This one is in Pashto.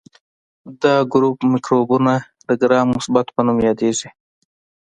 دا ګروپ مکروبونه د ګرام مثبت په نوم یادیږي.